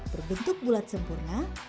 berbentuk bulat sempurna